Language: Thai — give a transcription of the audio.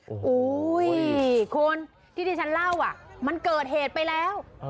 โอ้โหคุณที่ที่ฉันเล่ามันเกิดเหตุไปแล้ว